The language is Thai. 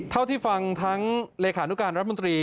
เท่าที่ฟังทั้งเลขานุการรัฐมนตรี